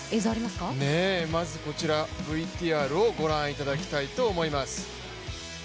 まずこちら、ＶＴＲをご覧いただきたいと思います。